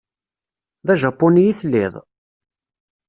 D ajapuni i telliḍ?